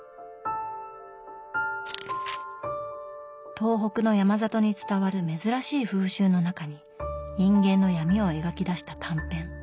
東北の山里に伝わる珍しい風習の中に人間の闇を描きだした短編。